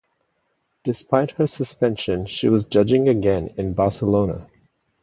Despite her suspension, she was judging again in Barcelona.